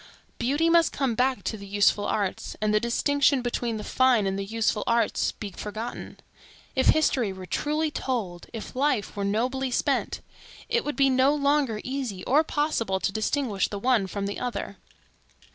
Beauty must come back to the useful arts, and the distinction between the fine and the useful arts be forgotten. If history were truly told, if life were nobly spent, it would be no longer easy or possible to distinguish the one from the other.